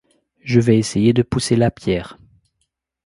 Je vais essayer de pousser la pierre.